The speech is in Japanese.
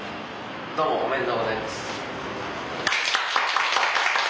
どうもおめでとうございます。